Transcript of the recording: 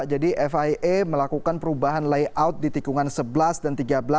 jadi fia melakukan perubahan layout di tikungan sebelas dan tiga belas